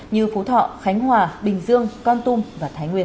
như phú thọ khánh hòa bình dương con tum và thái nguyên